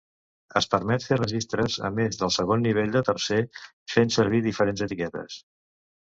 Es permet fer registres a més del segon nivell de tercer fent servir diferents etiquetes.